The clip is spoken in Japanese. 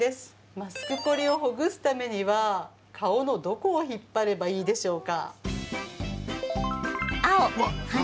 マスクコリをほぐすためには顔のどこを引っ張ればいいでしょうか？